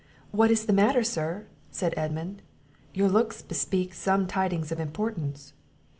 "What is the matter, sir?" said Edmund; "your looks bespeak some tidings of importance."